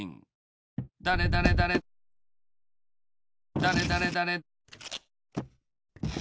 だれだれだれ。